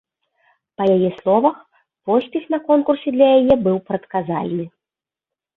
Па яе словах, поспех на конкурсе для яе быў прадказальны.